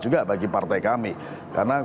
juga bagi partai kami karena